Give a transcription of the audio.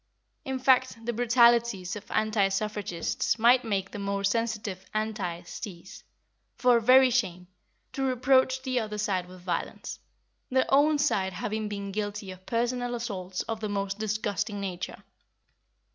In fact, the brutalities of anti suffragists might make the more sensitive Antis cease, for very shame, to reproach the other side with violence, their own side having been guilty of personal assaults of the most disgusting nature.